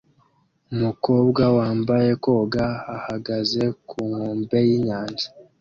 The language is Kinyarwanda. Umukobwa wambaye koga ahagaze ku nkombe yinyanja